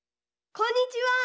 こんにちは！